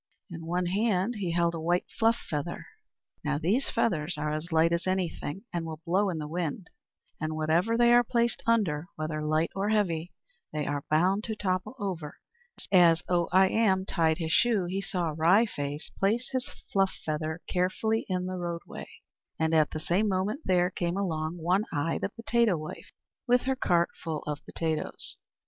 In one hand he held a white fluff feather. Now these feathers are as light as anything, and will blow in the wind; and whatever they are placed under, whether light or heavy, they are bound to topple over as soon as the wind blows. [Footnote 15: From Cap o' Yellow.] As Oh I Am tied his shoe he saw Wry Face place his fluff feather carefully in the roadway; and at the same moment there came along One Eye, the potato wife, with her cart full of potatoes.